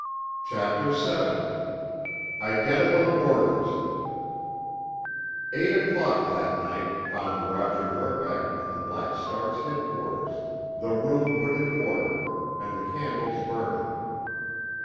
CHAPTER VII—IDENTICAL ORDERS Eight o'clock that night found Roger Verbeck in the Black Star's headquarters, the room put in order, and the candles burning.